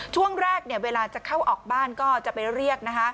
ช่วงแรกเวลาจะเข้าออกบ้านก็จะไปเรียก